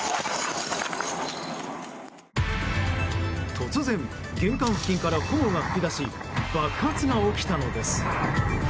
突然、玄関付近から炎が噴き出し爆発が起きたのです。